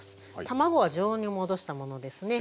卵は常温に戻したものですね。